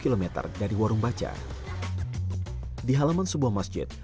di halaman sebuah masjid warung baca biasa menggelar untuk mencari jaring